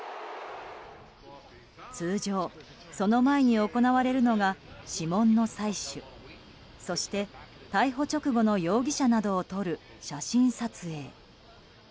通常、その前に行われるのが指紋の採取そして、逮捕直後の容疑者などを撮る写真撮影。